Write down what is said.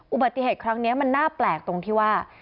อุบัติเหตุครั้งนี้มันน่าแปลกตรงที่ว่า